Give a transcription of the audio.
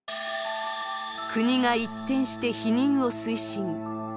国が一転して避妊を推進。